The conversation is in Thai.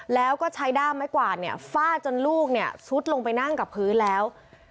แล้วก็ใช้ด้ามไม้กวาดเนี่ยฟาดจนลูกเนี่ยซุดลงไปนั่งกับพื้นแล้ว